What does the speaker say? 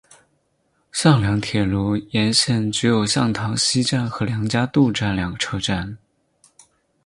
向梁铁路沿线只有向塘西站和梁家渡站两个车站。